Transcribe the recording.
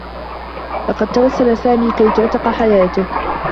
لقد توسّل سامي كي تُعتق حياته.